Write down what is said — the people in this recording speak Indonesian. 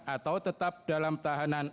atau tetap dalam tahanan